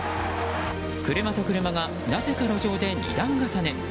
車と車が、なぜか路上で二段重ね。